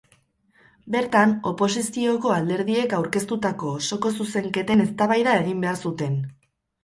Bertan, oposizioko alderdiek aurkeztutako osoko zuzenketen eztabaida egin behar zuten.